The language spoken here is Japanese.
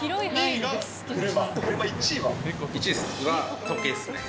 １位ですか、時計ですね。